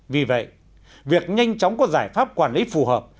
vì vậy việc nhanh chóng có giải pháp quản lý phù hợp